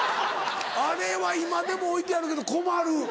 あれは今でも置いてあるけど困る。